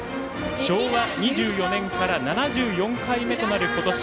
昭和２４年から７４回目となる今年